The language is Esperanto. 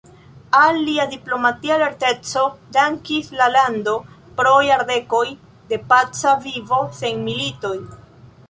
Al lia diplomatia lerteco dankis la lando pro jardekoj de paca vivo sen militoj.